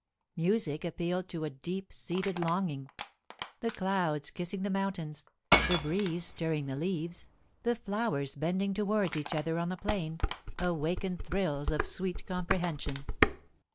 Music appealed to a deep seated longing. The clouds kissing the mountains, the breeze stirring the leaves, the flowers bending towards each other on the plain, awakened thrills of sweet comprehension.